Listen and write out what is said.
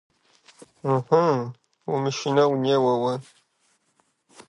Ыхьы, умышынэу неуэ уэ.